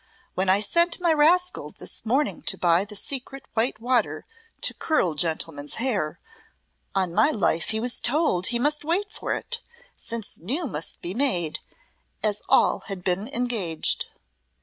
When I sent my rascal this morning to buy the Secret White Water to Curl Gentlemen's Hair, on my life he was told he must wait for it, since new must be made, as all had been engaged."